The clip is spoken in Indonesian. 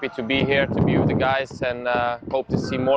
jadi ini sangat spesial